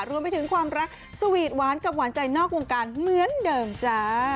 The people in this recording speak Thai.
รวมไปถึงความรักสวีทหวานกับหวานใจนอกวงการเหมือนเดิมจ้า